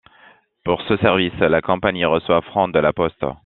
Pour ce service, la compagnie reçoit francs de la Poste.